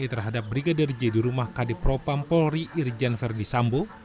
terhadap brigadir j di rumah kadipropam polri irjen verdi sambo